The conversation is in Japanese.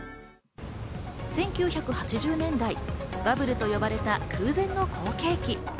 １９８０年代、バブルと呼ばれた空前の好景気。